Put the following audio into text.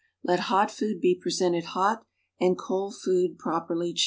Let hot food be presented hot and cold food properly chilled.